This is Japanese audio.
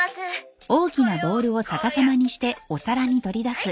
「はい！